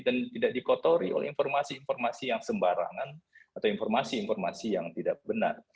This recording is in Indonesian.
dan tidak dikotori oleh informasi informasi yang sembarangan atau informasi informasi yang tidak benar